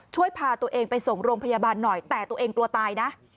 ช่วยพาตัวเองไปส่งโรงพยาบาลหน่อยแต่ตัวเองกลัวตายนะ